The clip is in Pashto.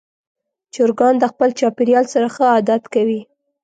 چرګان د خپل چاپېریال سره ښه عادت کوي.